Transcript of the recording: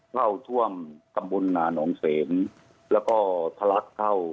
เท่าทั่วงกับมุนบุญนานองเซมแล้วก็ทลักเข้า